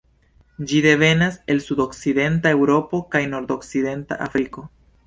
Ĝi devenas el sudokcidenta Eŭropo kaj nordokcidenta Afriko.